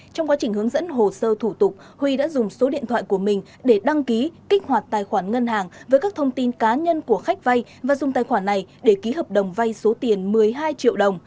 trong quá trình hướng dẫn hồ sơ thủ tục huy đã dùng số điện thoại của mình để đăng ký kích hoạt tài khoản ngân hàng với các thông tin cá nhân của khách vay và dùng tài khoản này để ký hợp đồng vay số tiền một mươi hai triệu đồng